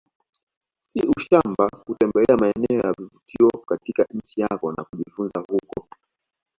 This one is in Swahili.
Si ushamba kutembelea maeneo ya vivutio katika nchi yako na kujifunza huko